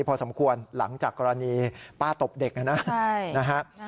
พอสมควรหลังจากกรณีป้าตบเด็กนะครับ